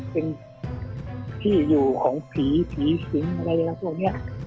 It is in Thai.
เป็นที่อยู่ของผีศิลป์อะไรอะไรพวกนี้